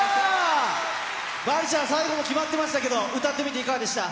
丸ちゃん、最後も決まってましたけど、歌ってみていかがでした？